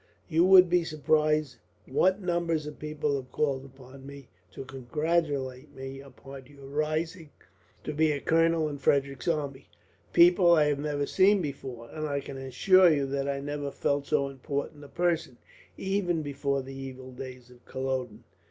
"You would be surprised what numbers of people have called upon me, to congratulate me upon your rising to be a colonel in Frederick's army people I have never seen before; and I can assure you that I never felt so important a person, even before the evil days of Culloden.